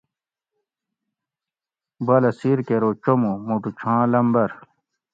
بالہ سِیر کٞہ ارو چومُو مُٹو چھاں لٞمبر